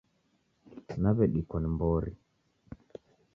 Naw'edikwa ni mbori.